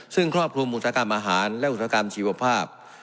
ซึ่งครอบคลุมอุตสาหกรรมอาหารและอุตสาหกรรมชีวภาพ